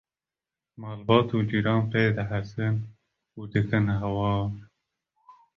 malbat û cîran pê dihesin û dikine hewar